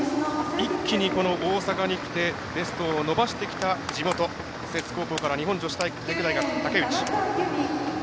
一気に大阪に来てベストを伸ばしてきた地元、摂津高校から日本女子体育大学、竹内。